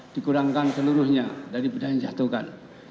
dikurangkan seluruhnya dari benda yang dijatuhkan